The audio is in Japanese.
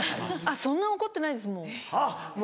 そんな怒ってないですもう。